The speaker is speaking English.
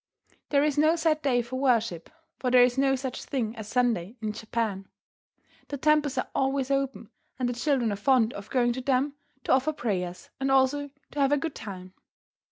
There is no set day for worship, for there is no such thing as Sunday in Japan. The temples are always open, and the children are fond of going to them to offer prayers, and also to have a good time.